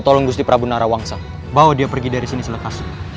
tolong gusti prabu narawangsa bawa dia pergi dari sini selepasnya